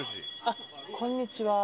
あっこんにちは。